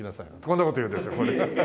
こんな事言うんですよ。